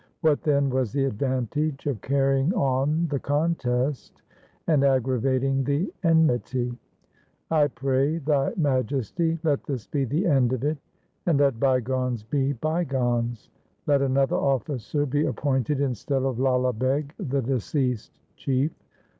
What then was the advantage of carrying on the contest and aggravating the enmity ? I pray thy Majesty, let this be the end of it, and let bygones be bygones. Let another officer be appointed 188 THE SIKH RELIGION instead of Lala Beg the deceased chief.'